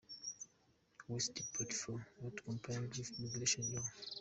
was deported for "not complying with immigration law".